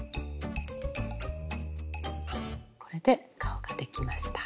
これで顔ができました。